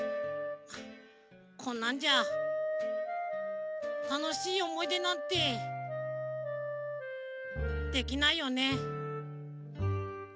こんなんじゃたのしいおもいでなんてできないよね。